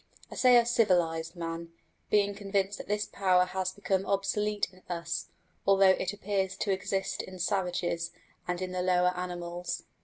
I say of civilised man, being convinced that this power has become obsolete in us, although it appears to exist in savages and in the lower animals.